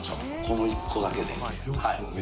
この１個だけで。